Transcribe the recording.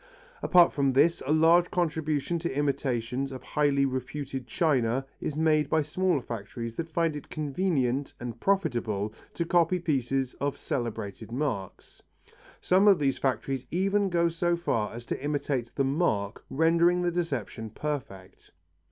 Apart from this, a large contribution to imitations of highly reputed china is made by smaller factories that find it convenient and profitable to copy pieces of celebrated marks. Some of these factories even go so far as to imitate the mark, rendering the deception perfect.